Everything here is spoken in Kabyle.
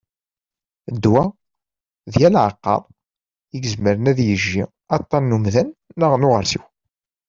Ddwa: "d yal aɛeqqar izemren ad yejji aṭṭan n umdan neɣ n uɣersiw"